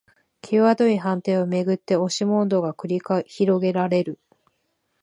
きわどい判定をめぐって押し問答が繰り広げられる